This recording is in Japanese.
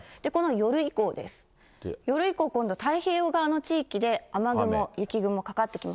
夜以降、今度太平洋側の地域で雨雲、雪雲かかってきます。